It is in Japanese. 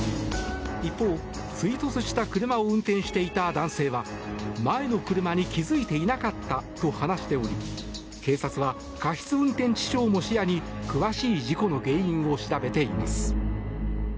一方、追突した車を運転していた男性は前の車に気づいていなかったと話しており警察は過失運転致傷も視野に詳しい事故の原因を調べています。